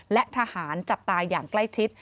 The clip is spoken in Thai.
และทหารจับตาอย่างใกล้ชิด